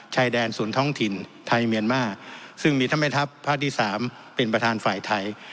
ชายแดนสวนท้องถิ่นไทยเมียนมาร์ซึ่งมีธรรมดาภาคที่สามเป็นประธานฝ่ายไทย